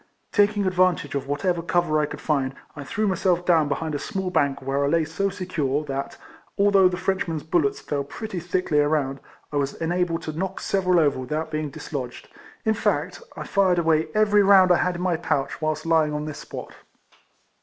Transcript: Taking advantage of whatever cover I could find, I threw myself down be hind a small bank, where I lay so secure, that, although the Frenchmen's bullets fell pretty thickly around, I was enabled to knock seve ral over without being dislodged ; in fact, I fired away every round I had in my pouch whilst lying on this spot.